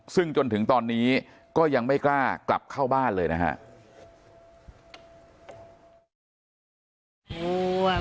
ซึ่งจนถึงตอนนี้ก็ยังไม่กล้ากลับเข้าบ้านเลยนะครับ